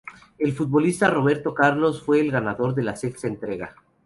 El futbolista Roberto Carlos fue el ganador de la sexta entrega.